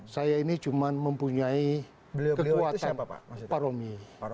saya ini cuma mempunyai kekuatan paromi